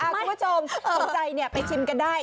คุณผู้ชมสนใจไปชิมกันได้